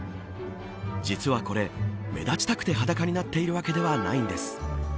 実は、これ、目立ちたくて裸になっているわけではないんです。